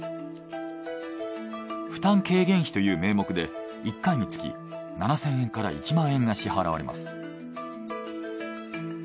負担軽減費という名目で１回につき７，０００円から１万円が支払われます。